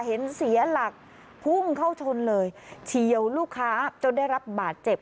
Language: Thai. เสียหลักพุ่งเข้าชนเลยเฉียวลูกค้าจนได้รับบาดเจ็บ